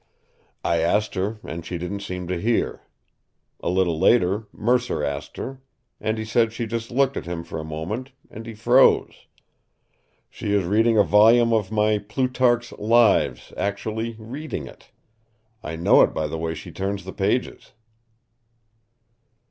"I asked her, and she didn't seem to hear. A little later Mercer asked her, and he said she just looked at him for a moment and he froze. She is reading a volume of my Plutarch's 'Lives' actually reading it. I know it by the way she turns the pages!"